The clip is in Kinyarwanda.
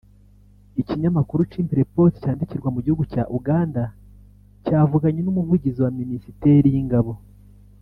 Ikinyamakuru Chimpreports cyandikirwa mu gihugu cya Uganda cyavuganye n’umuvugizi wa minisiteri y’ingabo